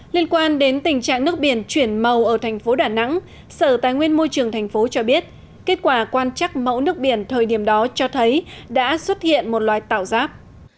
liên quan đến tình trạng nước biển chuyển màu ở thành phố đà nẵng sở tài nguyên môi trường tp cho biết kết quả quan trắc mẫu nước biển thời điểm đó cho thấy đã xuất hiện một loài tạo giáp